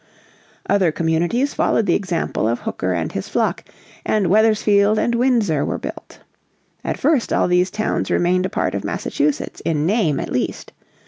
Other communities followed the example of Hooker and his flock, and Wethersfield and Windsor were built. At first all these towns remained a part of Massachusetts in name at least.